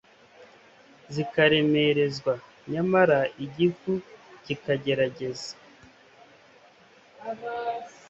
zikaremerezwa; nyamara igifu kikagerageza